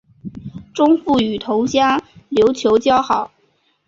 钟复与同乡刘球交好。